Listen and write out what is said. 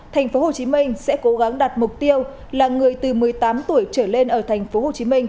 tp hcm sẽ cố gắng đạt mục tiêu là người từ một mươi tám tuổi trở lên ở tp hcm